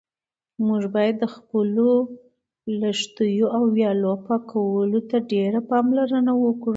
موږ باید د خپلو لښتیو او ویالو پاکوالي ته ډېره پاملرنه وکړو.